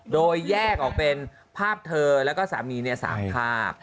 โดยแยกออกเป็นภาพเธอแล้วก็สามี๓ภาพ